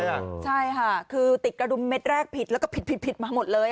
ใช่ค่ะคือติดกระดุมเม็ดแรกผิดแล้วก็ผิดผิดมาหมดเลย